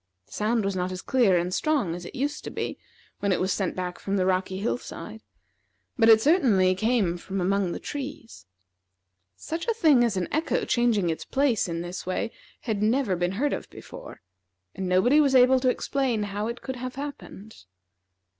The sound was not as clear and strong as it used to be when it was sent back from the rocky hill side, but it certainly came from among the trees. Such a thing as an echo changing its place in this way had never been heard of before, and nobody was able to explain how it could have happened.